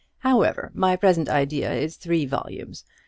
However, my present idea is three volumes.